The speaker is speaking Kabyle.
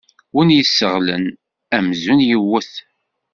Win yesseɣlen amzun yewwet.